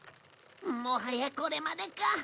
もはやこれまでか。